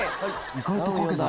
意外と描けた。